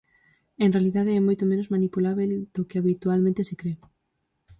En realidade, é moito menos manipulábel do que habitualmente se cre.